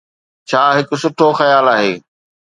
ڇا هڪ سٺو خيال آهي.